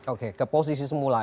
oke ke posisi semula ya di